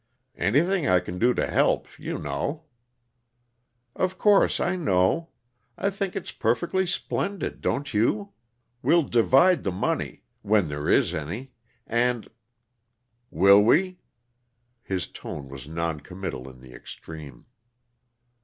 "Anything I can do to help, you know " "Of course I know, I think it's perfectly splendid, don't you? We'll divide the money when there is any, and " "Will we?" His tone was noncommittal in the extreme.